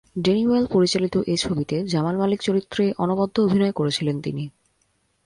Denny Boyle পরিচালিত এ ছবিতে জামাল মালিক চরিত্রে অনবদ্য অভিনয় করেছিলেন তিনি।